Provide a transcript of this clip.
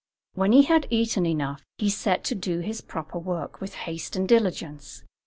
When he had eaten enough, he set to his proper work with haste and diligence.